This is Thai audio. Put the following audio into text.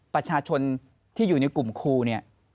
ประชาชนที่อยู่ในกลุ่มครูเนี่ย